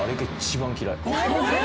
一番嫌い。